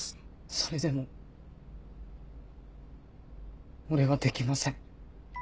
それでも俺はできません。